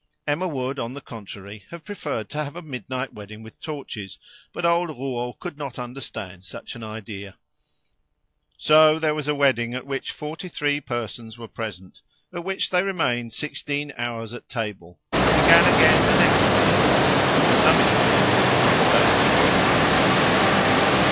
Emma would, on the contrary, have preferred to have a midnight wedding with torches, but old Rouault could not understand such an idea. So there was a wedding at which forty three persons were present, at which they remained sixteen hours at table, began again the next day, and to some extent on the days following.